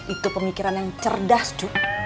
itu pemikiran yang cerdas